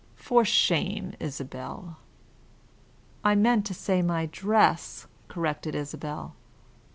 For shame, Isabel!" "I meant to say my dress," corrected Isabel.